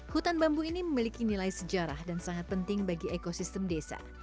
hutan bambu ini memiliki nilai sejarah dan sangat penting bagi ekosistem desa